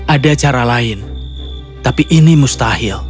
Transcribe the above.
ada cara lain tapi ini mustahil